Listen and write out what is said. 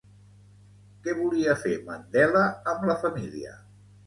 Què volia fer Mandela amb la família?